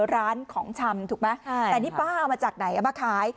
ร้านของชำถูกไหมแต่นี่ป้าเอามาจากไหนเอามาขาย